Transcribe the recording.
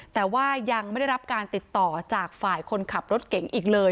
แต่ว่ายังไม่ได้รับการติดต่อจากฝ่ายคนขับรถเก่งอีกเลย